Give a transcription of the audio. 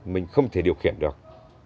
mình không thể điều khiển được